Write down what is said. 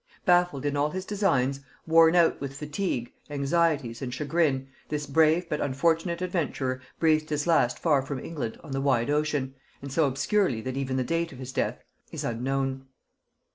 Baffled in all his designs, worn out with fatigue, anxieties, and chagrin, this brave but unfortunate adventurer breathed his last far from England on the wide ocean, and so obscurely that even the date of his death is unknown.